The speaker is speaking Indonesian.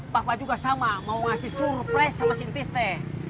papa juga sama mau ngasih surprise sama si tisna